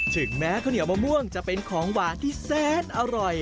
ถึงแม้ข้าวเหนียวมะม่วงจะเป็นของหวานที่แซนอร่อย